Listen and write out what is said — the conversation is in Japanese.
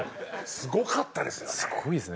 すごかったですよね。